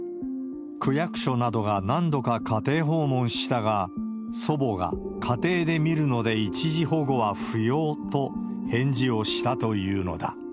区役所などが何度か家庭訪問したが、祖母が家庭で見るので一時保護は不要と返事をしたというのだ。